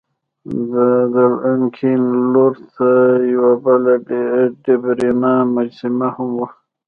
د دالان کیڼ لور ته یوه بله ډبرینه مجسمه هم وه.